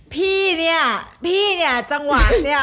พี่เนี่ยจังหวานเนี่ย